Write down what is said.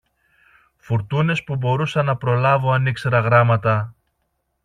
φουρτούνες που μπορούσα να προλάβω αν ήξερα γράμματα!